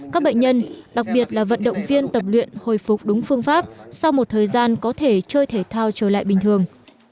các bệnh nhân đặc biệt là vận động viên tập luyện hồi phục đúng phương pháp sau một thời gian có thể chơi thể thao trở lại bình thường